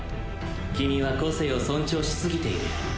君は個性を尊重しすぎている。